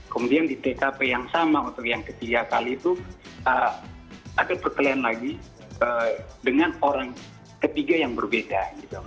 kemudian di tkp yang sama untuk yang ketiga kali itu ada perkelahian lagi dengan orang ketiga yang berbeda